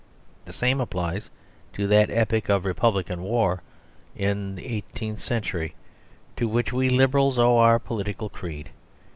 The same applies to that epic of Republican war in the eighteenth century to which we Liberals owe our political creed.